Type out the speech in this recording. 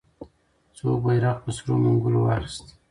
څوک بیرغ په سرو منګولو واخیست؟